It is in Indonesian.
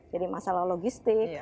jadi masalah logistik